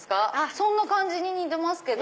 そんな感じに似てますけど。